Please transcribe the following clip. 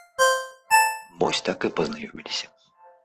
Вось так і пазнаёміліся.